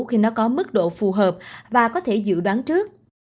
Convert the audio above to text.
khi nó có mức độ phù hợp và có thể dự đoán trước